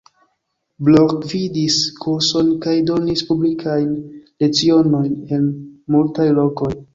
Blok gvidis kursojn kaj donis publikajn lecionojn en multaj lokoj.